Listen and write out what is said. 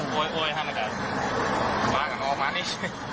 บอกโอ๊ยฮะมันก็ว่ากันออกมานี่